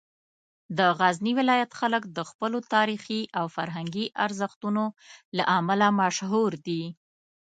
د غزني ولایت خلک د خپلو تاریخي او فرهنګي ارزښتونو له امله مشهور دي.